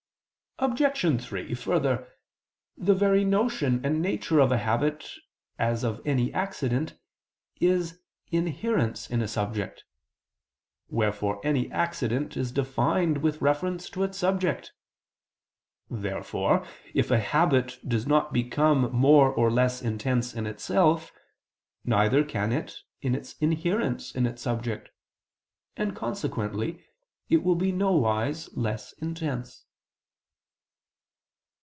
Obj. 3: Further, the very notion and nature of a habit as of any accident, is inherence in a subject: wherefore any accident is defined with reference to its subject. Therefore if a habit does not become more or less intense in itself, neither can it in its inherence in its subject: and consequently it will be nowise less intense.